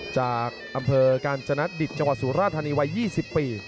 จากอำเภอกาญจนดิตจังหวัดสุราธานีวัย๒๐ปี